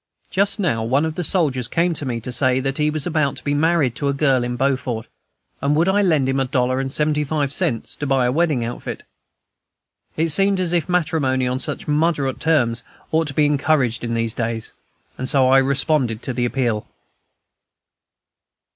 Just now one of the soldiers came to me to say that he was about to be married to a girl in Beaufort, and would I lend him a dollar and seventy five cents to buy the wedding outfit? It seemed as if matrimony on such moderate terms ought to be encouraged in these days; and so I responded to the appeal.